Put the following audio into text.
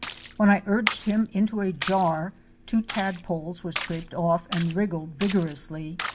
When I urged him into a jar, two tadpoles were scraped off and wriggled vigorously.